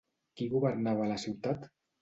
Qui governava la ciutat?